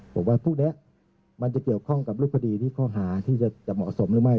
ผมว่าพวกนี้มันจะเกี่ยวข้องกับรูปคดีที่ข้อหาที่จะเหมาะสมหรือไม่